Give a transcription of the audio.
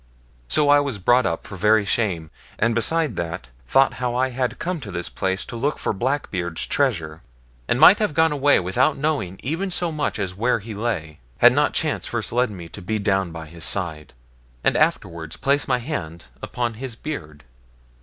So I was brought up for very shame, and beside that thought how I had come to this place to look for Blackbeard's treasure, and might have gone away without knowing even so much as where he lay, had not chance first led me to be down by his side, and afterwards placed my hand upon his beard.